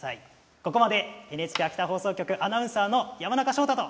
ここまで、ＮＨＫ秋田放送局アナウンサーの山中翔太と。